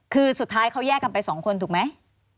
คือสุดท้ายเขาแยกกันไปสองคนถูกไหม